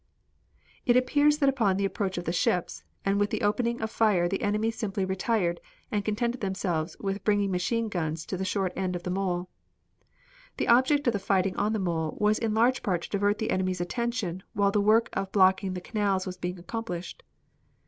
It appears that upon the approach of the ships and with the opening of fire the enemy simply retired and contented themselves with bringing machine guns to the short end of the mole. The object of the fighting on the mole was in large part to divert the enemy's attention while the work of blocking the canals was being accomplished.